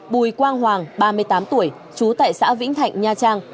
bùi quang hoàng ba mươi tám tuổi trú tại xã vĩnh thạnh nha trang